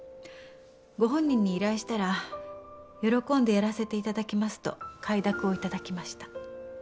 ご本人に依頼したら喜んでやらせて頂きますと快諾を頂きました。